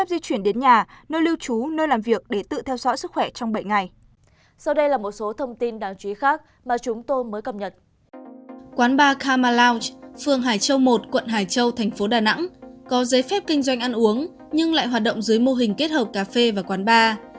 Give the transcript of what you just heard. phương hải châu một quận hải châu tp đà nẵng có giấy phép kinh doanh ăn uống nhưng lại hoạt động dưới mô hình kết hợp cà phê và quán bar